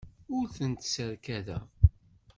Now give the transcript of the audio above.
Ur tent-sserkadeɣ.